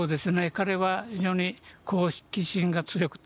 彼は非常に好奇心が強くて。